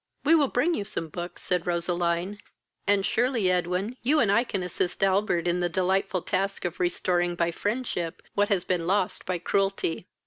"We will bring you some books, (said Roseline,) and surely, Edwin, you and I can assist Albert in the delightful task of restoring by friendship what has been lost by cruelty."